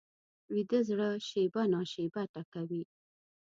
ویده زړه شېبه نا شېبه ټکوي